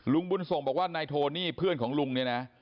ลุงบุญส่งบอกว่านายโทนี่เพื่อนของลุงเนี่ยนะ